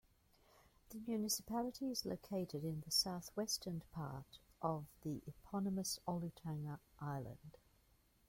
The municipality is located in the southwestern part of the eponymous Olutanga Island.